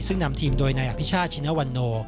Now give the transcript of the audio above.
ซึ่งนำทีมโดยนายอภิชาติชินวันโน